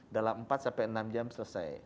dalam empat sampai enam jam selesai